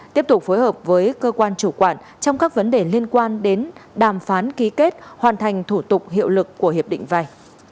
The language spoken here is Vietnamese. tiếp tục phối hợp với cơ quan chủ quản trong các vấn đề liên quan đến đàm phán ký kết hoàn thành thủ tục hiệu lực của hiệp định vay